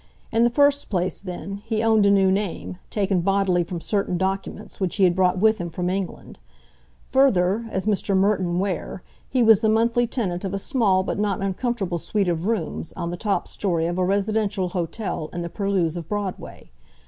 In the first place, then, he owned a new name, taken bodily from certain documents which he had brought with him from England. Further, as Mr. Merton Ware, he was the monthly tenant of a small but not uncomfortable suite of rooms on the top story of a residential hotel in the purlieus of Broadway.